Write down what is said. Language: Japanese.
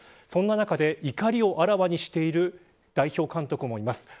そんな中で、怒りをあらわにしている代表監督もいます。